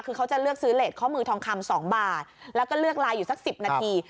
คือเขาจะเลือกซื้อเลสข้อมือทองคำ๒บาทแล้วก็เลือกไลน์อยู่สัก๑๐นาที